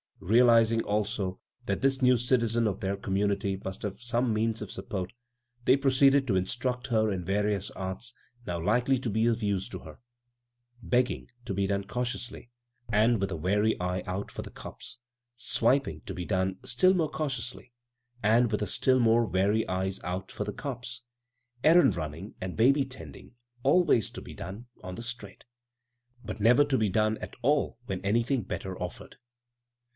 Realizing, also, that this new citizen of their community must have some means of sup port, they proceeded to instruct her in various arts now likely to be of use to her : begging — to be done cautiou^y, and with a wary eye out for the " cops ";" swiping "— to be done still more cautiously, and with a still more wary eye out for the " cops "; errand running and baby tending — always to be done " on the straight," but never to be done at all when anything better offered.